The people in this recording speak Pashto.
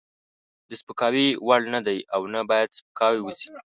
د سپکاوي وړ نه دی او نه باید سپکاوی وشي.